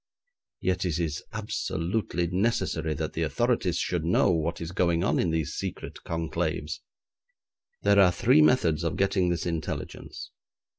Yet it is absolutely necessary that the authorities should know what is going on in these secret conclaves. There are three methods of getting this intelligence.